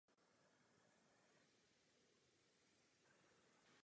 Nachází se v katastrálním území města Krupina v okrese Krupina v Banskobystrickém kraji.